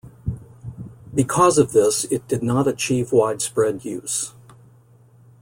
Because of this, it did not achieve widespread use.